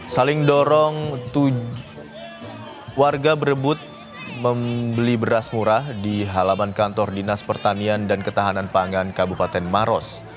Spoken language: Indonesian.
saling dorong warga berebut membeli beras murah di halaman kantor dinas pertanian dan ketahanan pangan kabupaten maros